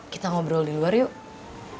kita ngobrol di luar yuk